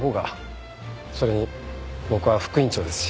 それに僕は副院長ですし。